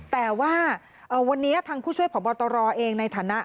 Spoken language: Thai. แต่ว่าวันนี้ทางผู้ช่วยผอบตรเองในฐานะ